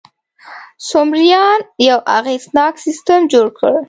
سومریان یو اغېزناک سیستم جوړ کړ.